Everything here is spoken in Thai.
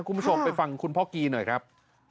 คุณผู้ชมไปฟังคุณพ่อกีหน่อยครับ